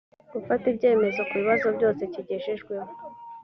gufata ibyemezo ku bibazo byose kigejejweho